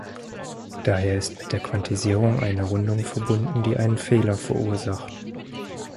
Daher ist mit der Quantisierung eine Rundung verbunden, die einen Fehler verursacht.